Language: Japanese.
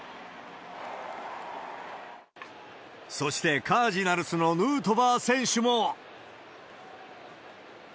そして、カージナルスのヌートバー選手も。